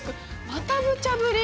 またむちゃぶり！